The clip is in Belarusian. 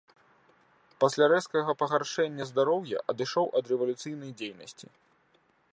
Пасля рэзкага пагаршэння здароўя адышоў ад рэвалюцыйнай дзейнасці.